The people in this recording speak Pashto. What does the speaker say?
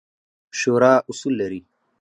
شورا اصول لري